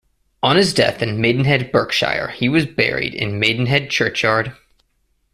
On his death in Maidenhead, Berkshire he was buried in Maidenhead churchyard.